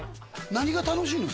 何が楽しいの？